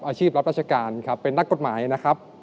รับราชการครับเป็นนักกฎหมายนะครับ